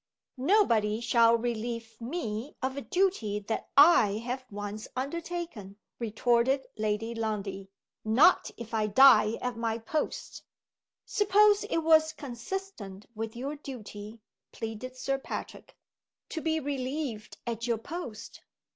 "Nobody shall relieve me of a duty that I have once undertaken!" retorted Lady Lundie. "Not if I die at my post!" "Suppose it was consistent with your duty," pleaded Sir Patrick, "to be relieved at your post?